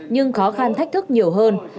nhưng khó khăn thách thức nhiều hơn